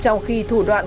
trong khi thủ đoạn của